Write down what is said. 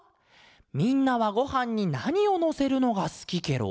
みんなはごはんになにをのせるのがすきケロ？